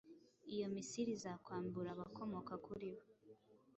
Iyo misile izakwambura abakomoka kuri bo